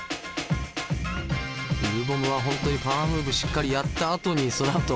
ＬＩＬ’ＢＯＭは本当にパワームーブしっかりやったあとにそのあと。